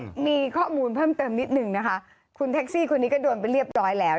อืมมีข้อมูลเพิ่มเติมนิดหนึ่งนะคะคุณแท็กซี่คนนี้ก็โดนไปเรียบร้อยแล้ว